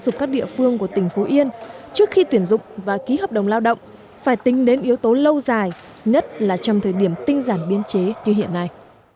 các địa phương của tỉnh phú yên trước khi tuyển dụng và ký hợp đồng lao động phải tính đến yếu tố lâu dài nhất là trong thời điểm tinh giản biên chế như hiện nay